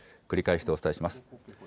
繰り返してお伝えします。